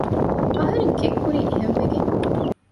އަހަރެން ކެތް ކުރީ އެހެންވެގެން